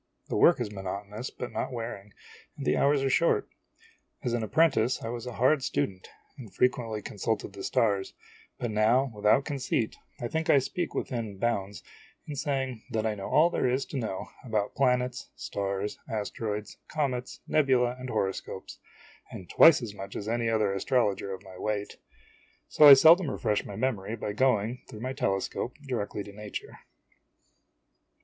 The work is monoto nous but not wearing, and the hours are short. As an appren tice I was a hard student, and frequently consulted the stars; but now, without conceit, I think I speak within bounds in saying that I know all there is to know about planets, stars,, asteroids, comets, nebulae, and horoscopes, and twice as much as any other astrologer of my weight ; so I seldom refresh my memory by going, through my telescope, directly to nature.